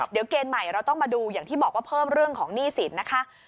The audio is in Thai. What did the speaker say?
เดี๋ยวเกณฑ์ใหม่เราต้องมาดูอย่างที่บอกว่าเพิ่มเรื่องของหนี้สินนะคะ